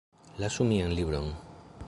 Lasu mian libron